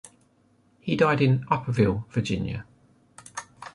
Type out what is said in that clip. He died in Upperville, Virginia.